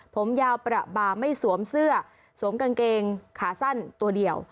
ผมยาวประบาไม่สวมเสื้อสวมกางเกงขาสั้นตัวเดียว